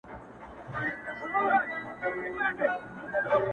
او بیا په خپلو مستانه سترګو دجال ته ګورم ـ